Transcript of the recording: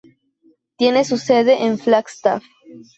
Tiene su sede en Flagstaff.